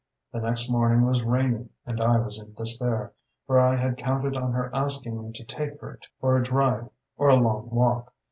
The next morning was rainy, and I was in despair, for I had counted on her asking me to take her for a drive or a long walk.